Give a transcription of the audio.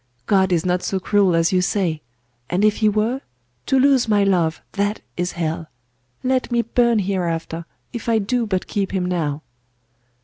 God is not so cruel as you say! And if He were: to lose my love, that is hell! Let me burn hereafter, if I do but keep him now!